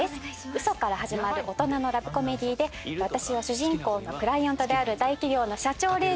ウソから始まる大人のラブコメディーで私は主人公のクライアントである大企業の社長令嬢役を演じています。